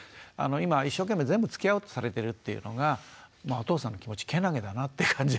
今一生懸命全部つきあおうとされてるというのがお父さんの気持ちけなげだなって感じ